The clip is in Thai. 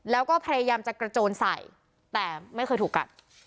แล้วก็พยายามจะกระโจนใส่แต่ไม่เคยถูกกัด